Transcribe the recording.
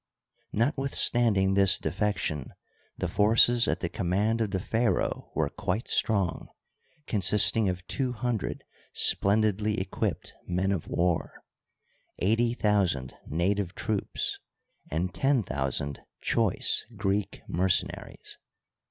Not withstanding this* defection the forces at the command of the pharaoh were quite strong, consisting of two hundred splendidly equipped men of war, eighty thousand native troops, and ten thousand choice Greek mercenaries.